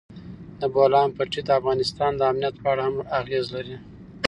د بولان پټي د افغانستان د امنیت په اړه هم اغېز لري.